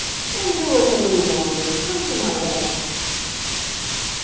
"Endure it a little longer. Come to my wedding."